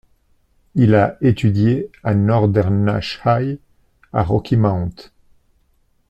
Il a étudié à Northern Nash High à Rocky Mount.